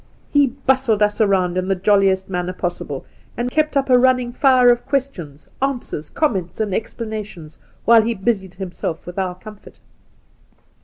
' He bustled us around in the joUiest manner pos sible, and kept up a running fire of questions, answers, comments, and explanations, whUe he busied himself with our comfort.